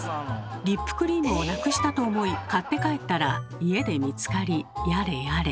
リップクリームをなくしたと思い買って帰ったら家で見つかりやれやれ。